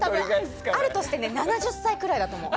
あるとしても７０歳くらいだと思う。